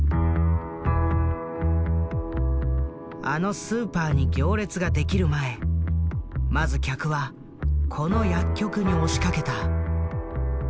あのスーパーに行列が出来る前まず客はこの薬局に押しかけた。